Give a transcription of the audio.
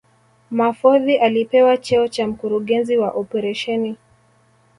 Mahfoudhi alipewa cheo cha Mkurugenzi wa Operesheni